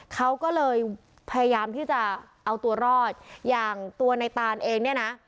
เขาก็เลยพยายามที่จะเอาตัวรอดอย่างตัวในตานเองเนี่ยนะ